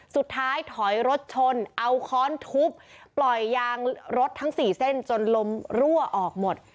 สุดท้ายถอยรถชนเอาค้อนทุบปล่อยยางรถทั้ง๔เส้นจนลมรั่วออกหมด